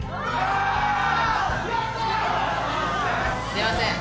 すいません。